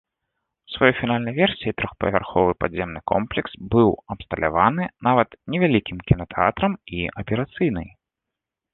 У сваёй фінальнай версіі трохпавярховы падземны комплекс быў абсталяваны нават невялікім кінатэатрам і аперацыйнай.